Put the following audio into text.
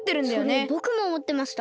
それぼくもおもってました。